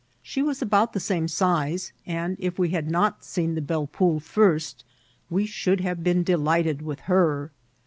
She was about the same size, and if we had not seen the Belle Ponle first, we should have been delighted with her.